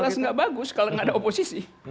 jelas gak bagus kalau gak ada oposisi